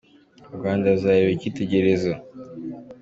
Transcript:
U Rwanda ruzayibera icyitegererezo mu mikorere n’imivugire.